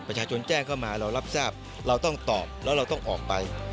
ประชาชนแจ้งเข้ามาเรารับทราบเราต้องตอบแล้วเราต้องออกไป